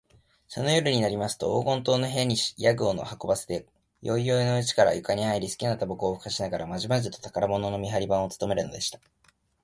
その夜になりますと、黄金塔の部屋に夜具を運ばせて、宵よいのうちから床にはいり、すきなたばこをふかしながら、まじまじと宝物の見はり番をつとめるのでした。